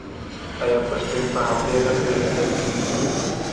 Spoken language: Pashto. آیا پښتون په همدې نه پیژندل کیږي؟